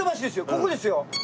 ここですよ。